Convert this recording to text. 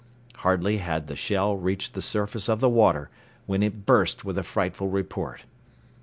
Hardly had the shell reached the surface of the water when it burst with a frightful report.